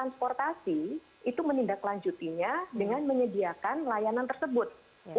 saya ubah menjadi bank pertama